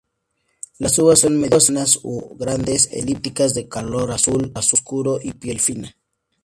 Las uvas son medianas o grandes, elípticas, de color azul oscuro y piel fina.